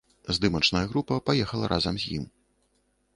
Здымачная група паехала разам з ім.